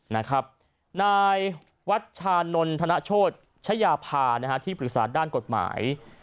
นายวัชชานนธนโชชยาภาที่ปรึกษาด้านกฎหมาย